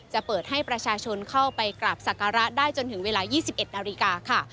จะเปิดให้ประชาชนเข้าไปกราบศักระได้จนถึงเวลา๒๑นาฬิกาค่ะ